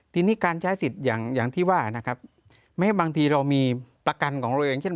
ทีนี้การใช้สิทธิ์อย่างที่ว่านะครับแม้บางทีเรามีประกันของเราเองเช่น